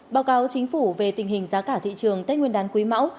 báo cáo chính phủ về tình hình giá cả thị trường tết nguyên đán quý máu